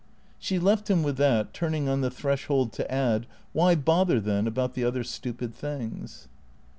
She left him with that, turning on the threshold to add, " Why bother, then, about the other stupid things